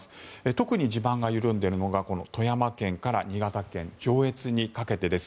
特に地盤が緩んでいるのがこの富山県から新潟県上越にかけてです。